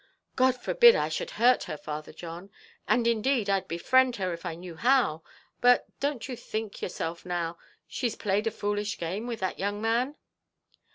"God forbid I should hurt her, Father John! And indeed I'd befriend her if I knew how; but don't you think, yourself now, she's played a foolish game with that young man?"